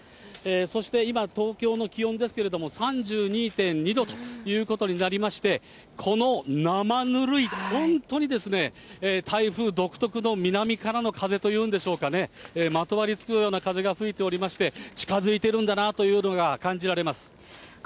そして今、東京の気温ですけれども、３２．２度ということになりまして、このなまぬるい、本当にですね、台風独特の南からの風というんでしょうかね、まとわりつくような風が吹いておりまして、近づいているんだなというのが、感じられます。